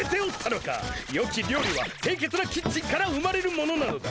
よき料理はせいけつなキッチンから生まれるものなのだ。